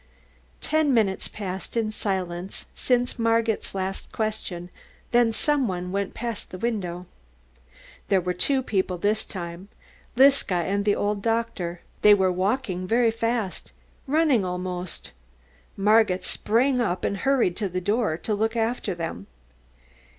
Ten minutes passed in silence since Margit's last question, then some one went past the window. There were two people this time, Liska and the old doctor. They were walking very fast, running almost. Margit sprang up and hurried to the door to look after them.